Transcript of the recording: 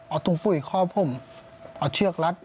เอาตรงคู่อีกครอบพุมเอาเชือกรัด